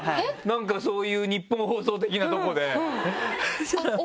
そういうニッポン放送的なとこで。